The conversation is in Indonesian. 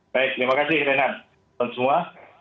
baik terima kasih renat dan semua